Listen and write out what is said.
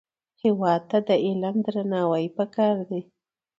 هېواد ته د علم درناوی پکار دی